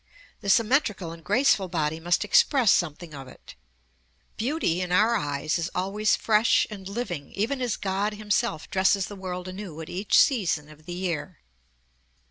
The symmetrical and graceful body must express something of it. Beauty, in our eyes, is always fresh and living, even as God Himself dresses the world anew at each season of the year.